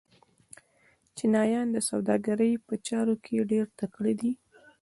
چینایان د سوداګرۍ په چارو کې ډېر تکړه دي.